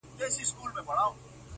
• د هیچا د پوهېدلو او هضمولو وړ نه دي ,